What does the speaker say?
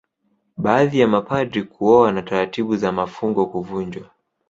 Baadhi ya mapadri kuoa na taratibu za mafungo kuvunjwa